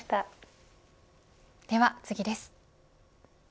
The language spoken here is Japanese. では次です。